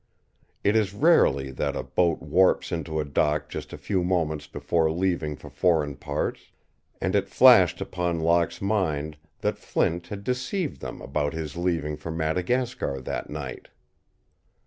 It is rarely that a boat warps into a dock just a few moments before leaving for foreign parts, and it flashed upon Locke's mind that Flint had deceived them about his leaving for Madagascar that night.